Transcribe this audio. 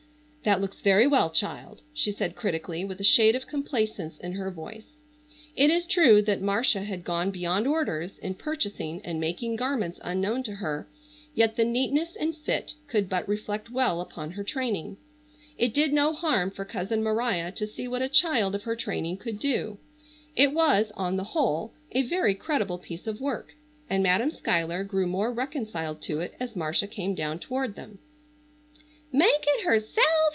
"That looks very well, child!" she said critically with a shade of complacence in her voice. It is true that Marcia had gone beyond orders in purchasing and making garments unknown to her, yet the neatness and fit could but reflect well upon her training. It did no harm for cousin Maria to see what a child of her training could do. It was, on the whole, a very creditable piece of work, and Madam Schuyler grew more reconciled to it as Marcia came down toward them. "Make it herself?"